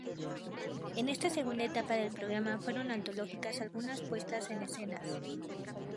En esta segunda etapa del programa fueron antológicas algunas puestas en escenas.